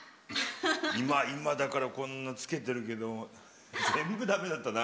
今、今だからこんなつけてるけども、全部だめだったな。